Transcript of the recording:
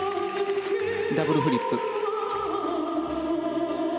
ダブルフリップ。